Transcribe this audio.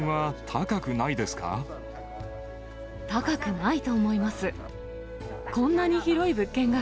高くないと思います。